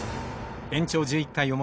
延長１１回表。